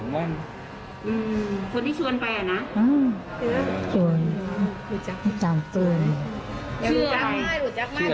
ไม่เจอกับใครละคน